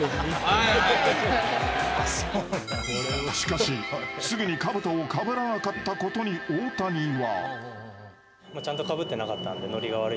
しかし、すぐにかぶとをかぶらなかったことに大谷は。